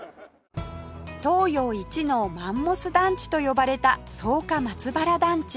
「東洋一のマンモス団地」と呼ばれた草加松原団地